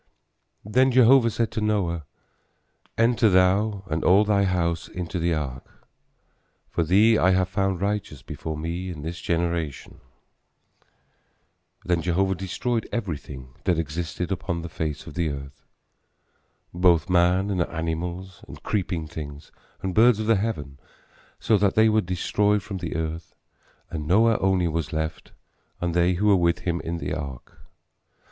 Then Jehovah said to Noah, enter thou and all thy house into the ark; for thee I have found righteous before me in this generation. And Noah did according to all that Jehovah commanded him. Then Jehovah destroyed everything that existed upon the face of the ground, both man and animals, and creeping things, and birds of the heavens, so that they were destroyed from the earth; and Noah only was left and they who were with him in the ark.